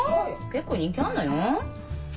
結構人気あんのよ。